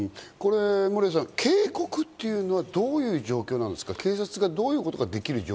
守屋さん、警告というのはどういう状況ですか？